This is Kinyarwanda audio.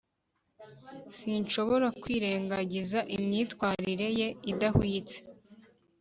sinshobora kwirengagiza imyitwarire ye idahwitse